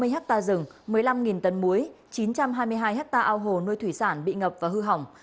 sáu mươi hecta rừng một mươi năm tấn muối chín trăm hai mươi hai hecta ao hồ nuôi thủy sản bị ngập và hư hỏng